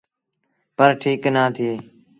پر ٺيٚڪ نآ ٿئي۔